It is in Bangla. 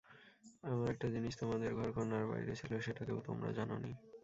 আমার একটা জিনিস তোমাদের ঘরকন্নার বাইরে ছিল, সেটা কেউ তোমরা জান নি।